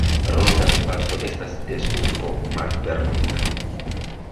Ronda spaco estas de supro malfermita.